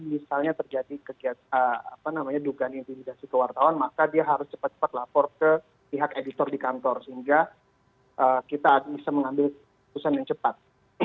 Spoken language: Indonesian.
misalnya terjadi dugaan intimidasi ke wartawan maka dia harus cepat cepat lapor ke pihak editor di kantor sehingga kita bisa mengambil keputusan yang cepat